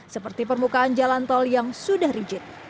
seperti permukaan jalan tol yang sudah rigid